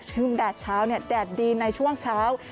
ซึ่งแดดเช้าแดดดีในช่วงเช้า